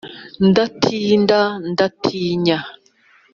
ndatinda ndatinya